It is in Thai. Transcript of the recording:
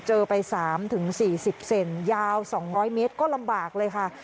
เจอไปสามถึงสี่สิบเซ็นต์ยาวสองร้อยเมตรก็ลำบากเลยค่ะ